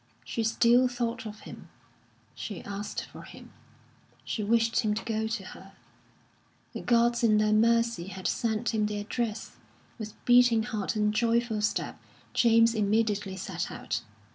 She still thought of him, she asked for him, she wished him to go to her. The gods in their mercy had sent him the address; with beating heart and joyful step, James immediately set out.